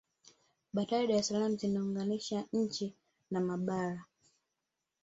bandari ya dar es salaam inaziunganisha nchi na mabara